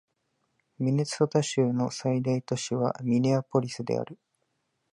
ミネソタ州の最大都市はミネアポリスである